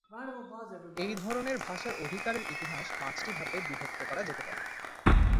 এই ধরনের ভাষার অধিকারের ইতিহাস পাঁচটি ধাপে বিভক্ত করা যেতে পারে।